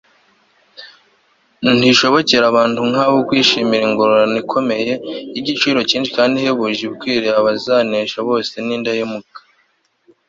ntibishobokera abantu nk'abo kwishimira ingororano ikomeye, y'igiciro cyinshi kandi ihebuje ibikiwe abazanesha bose b'indahemuka